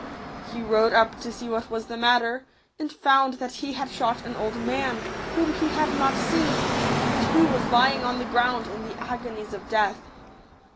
He rode up to see what was the matter, and found that he had shot an old man, whom he had not seen, and who was lying on the ground in the agonies of death.